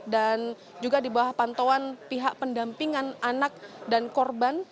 dan juga di bawah pantauan pihak pendampingan anak dan korban